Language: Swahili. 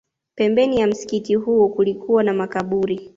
Pembeni ya msikiti huo kulikuwa na makaburi